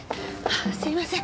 すいません。